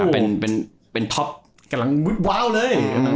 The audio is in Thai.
เป็นเป็นเป็นท๊อปกำลังไม่ว้าวเลยหือ